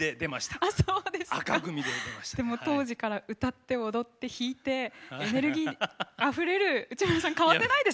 でも当時から歌って踊って弾いてエネルギーあふれる内村さん変わってないですね。